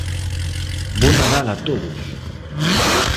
¡Bo Nadal a todos!